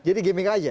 jadi gimmick aja